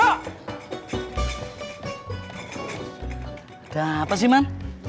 ada apa sih man